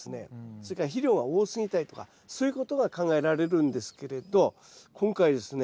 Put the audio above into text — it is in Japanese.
それから肥料が多すぎたりとかそういうことが考えられるんですけれど今回ですね